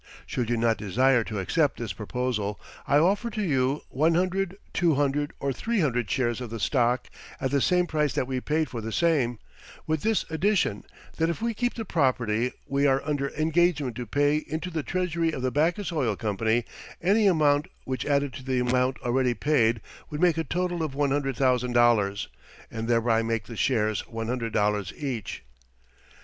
Should you not desire to accept this proposal, I offer to you 100, 200 or 300 shares of the stock at the same price that we paid for the same, with this addition, that if we keep the property we are under engagement to pay into the treasury of the Backus Oil Company any amount which added to the amount already paid would make a total of $100,000 and thereby make the shares $100 each.